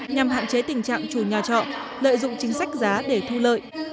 nhằm hạn chế tình trạng chủ nhà trọ lợi dụng chính sách giá để thu lợi